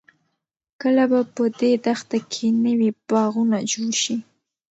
کله به په دې دښته کې نوې باغونه جوړ شي؟